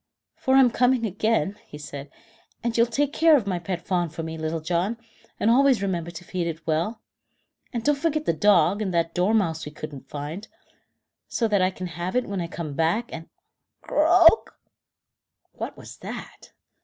"For I'm coming back again," he said, "and you'll take care of my pet fawn for me, Little John, and always remember to feed it well. And don't forget the dog and that dormouse we couldn't find, so that I can have it when I come back, and " Croak! What was that?